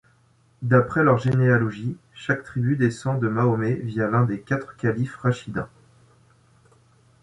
D'après leur généalogie, chaque tribu descend de Mahomet via l'un des quatre califes rachidun.